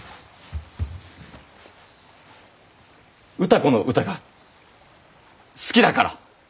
歌子の唄が好きだから。